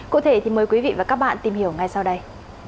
cụ thể thì mời quý vị và các bạn tìm hiểu ngay sau đây